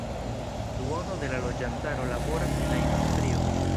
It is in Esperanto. Duono de la loĝantaro laboras en la industrio.